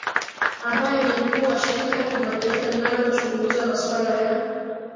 ambaye ni mkuu wa shirika la kimataifa linalochunguza maswala ya